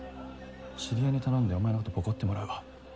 知り合いに頼んでお前のことボコってもらうわ。